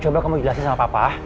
coba kamu jelasin sama papa